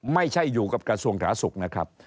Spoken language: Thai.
ไม่ใช่อยู่กับกระทรวงสาธารณสุขนะครับ